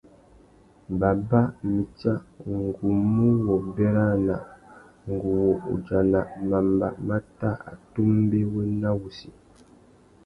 Baba, mitsa, ngu mù wô bérana ngu wô udjana mamba mà tà atumbéwena wussi.